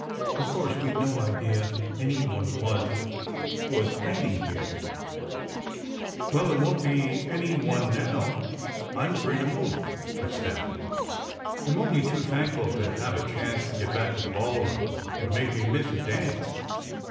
Of course, we d no idea any one was was hiding here!" 80 SECRET HISTORY "Well, there won t be any one, now I m free to move," I snapped. "I m only too thankful to have a chance to get back to the ballroom. You ve made me miss a dance."